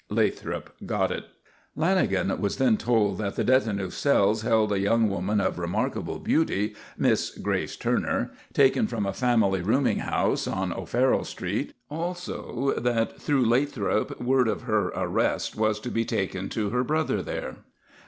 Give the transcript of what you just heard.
Lathrop "got" it. Lanagan was then told that the detinue cells held a young woman of remarkable beauty, Miss Grace Turner, taken from a family rooming house on O'Farrell Street. Also that through Lathrop word of her arrest was to be taken to her brother there.